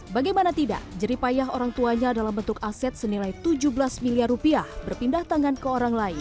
bagaimana tidak jeripayah orang tuanya dalam bentuk aset senilai tujuh belas miliar rupiah berpindah tangan ke orang lain